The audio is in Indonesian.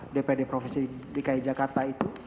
dpd provinsi dki jakarta